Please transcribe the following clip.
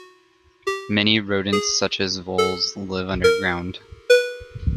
Many rodents such as voles live underground.